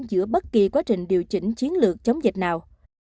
giữa bất kỳ quá trình điều chỉnh chiến lược chống dịch nào